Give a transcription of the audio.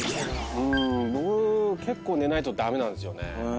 僕結構寝ないと駄目なんですよね。